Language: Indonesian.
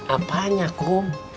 apaan ya akum